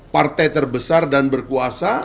partai terbesar dan berkuasa